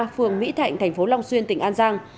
phường mỹ thạnh thành phố long xuyên tỉnh an giang